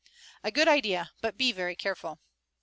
"A good idea, but be very careful."